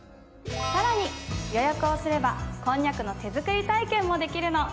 さらに予約をすればこんにゃくの手作り体験もできるの！